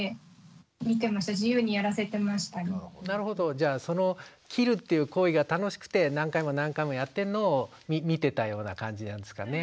じゃあその切るっていう行為が楽しくて何回も何回もやってるのを見てたような感じなんですかね。